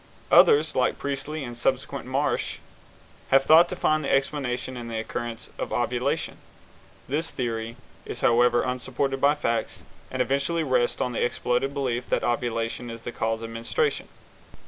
Others, like Priestley, and subsequently Marsh (American Journal of Obstetrics, July, 1897), have sought to find the explanation in the occurrence of ovulation. This theory is, however, unsupported by facts, and eventually rests on the exploded belief that ovulation is the cause of menstruation.